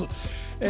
え